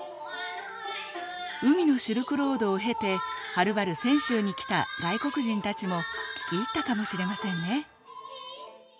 海のシルクロードを経てはるばる泉州に来た外国人たちも聴き入ったかもしれませんね。